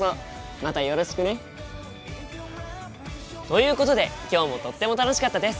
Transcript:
またよろしくね！ということで今日もとっても楽しかったです！